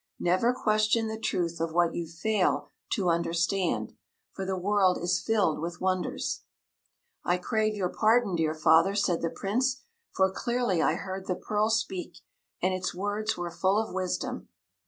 Never question the truth of what you fail to understand, for the world is filled with wonders." "I crave your pardon, dear father," said the Prince, "for clearly I heard the pearl speak, and its words were full of wisdom."